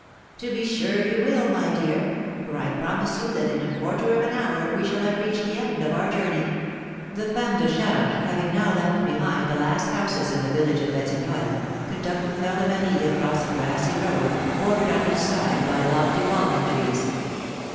"To be sure you will, my dear, for I promise you that in a quarter of an hour we shall have reached the end of our journey." The femme de charge, having now left behind the last houses in the village of Batignolles, conducted Fleur de Marie across a grassy road, bordered on each side by lofty walnut trees.